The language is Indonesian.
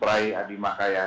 prai adi makayasa